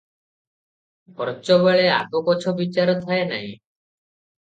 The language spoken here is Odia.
ଖର୍ଚ୍ଚବେଳେ ଆଗପଛ ବିଚାର ଥାଏ ନାହିଁ ।